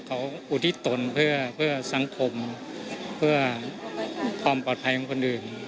เขาอุทิศตนเพื่อสังคมเพื่อความปลอดภัยของคนอื่น